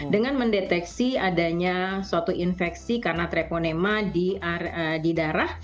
dengan mendeteksi adanya suatu infeksi karena treponema di darah